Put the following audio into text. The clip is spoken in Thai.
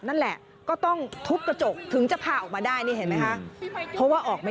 อายุ๖๐ปีนะคะ